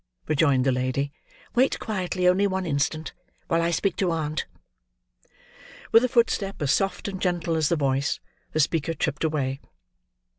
rejoined the lady. "Wait quietly only one instant, while I speak to aunt." With a footstep as soft and gentle as the voice, the speaker tripped away.